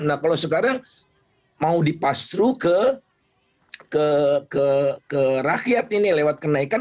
nah kalau sekarang mau dipastru ke rakyat ini lewat kenaikan